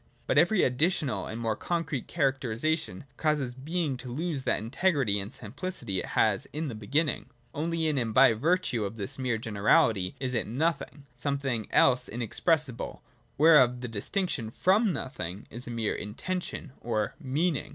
But every additional and more concrete characterisation causes Being to lose that integrity and simplicity it has in the beginning. Only in, and by virtue of, this mere generality is it Nothing, something VOL. II. M i62 THE DOCTRINE OF BEING. [87. inexpressible, whereof the distinction from Nothing is a mere intention or meaning.